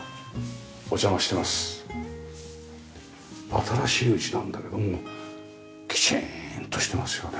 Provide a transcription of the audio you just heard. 新しい家なんだけどもきちんとしてますよね。